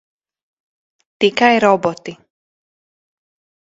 Tikai roboti.